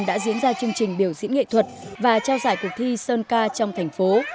đã diễn ra chương trình biểu diễn nghệ thuật và trao giải cuộc thi sơn ca trong thành phố